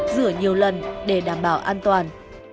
rửa nhiều lần để đảm bảo an toàn